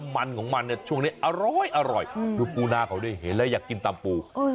มันของมันเนี่ยช่วงนี้อร้อยดูปูนาเขาดิเห็นแล้วอยากกินตำปู